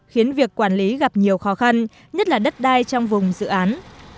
khiến việc quản lý gặp nhiều khó khăn nhất là đất đai trong vùng dự án